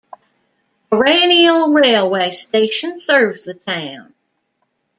Eraniel Railway Station serves the town.